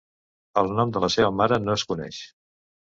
El nom de la seva mare no es coneix.